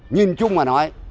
nhìn chung mà nói